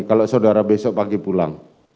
kalau saudara besok pagi pulang